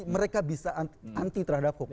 mereka bisa anti terhadap hukum